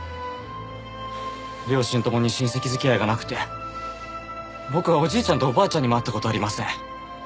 両親共に親戚付き合いがなくて僕はおじいちゃんとおばあちゃんにも会った事ありません。